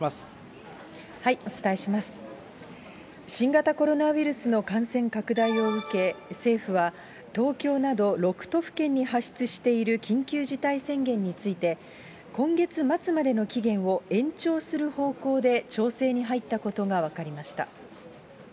新型コロナウイルスの感染拡大を受け、政府は、東京など６都府県に発出している緊急事態宣言について、今月末までの期限を延長する方向で調整に入ったことが分かりました。